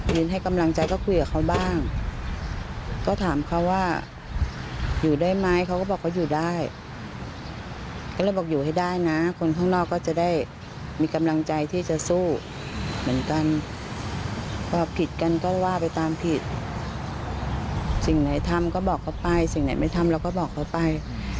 ยังไงสิ่งไหนไม่ทำเราก็บอกเขาไป